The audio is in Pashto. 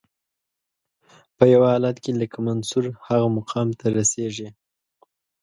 په یو حالت کې لکه منصور هغه مقام ته رسیږي.